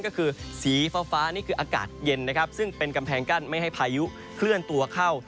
ก็คือสีฟ้านี่คืออากาศเย็นนะครับซึ่งเป็นกำแพงกั้นไม่ให้พายุเคลื่อนตัวเข้า